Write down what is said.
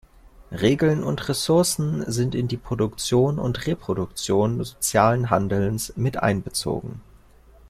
Regeln und Ressourcen sind in die Produktion und Reproduktion sozialen Handelns miteinbezogen.